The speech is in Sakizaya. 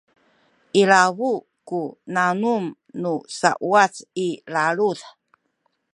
ilabu ku nanum nu sauwac i lalud